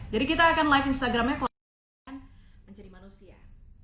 jadi kita akan live instagramnya kalau dia mau menjadi manusia